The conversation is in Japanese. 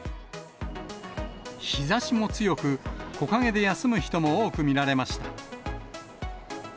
日ざしも強く、木陰で休む人も多く見られました。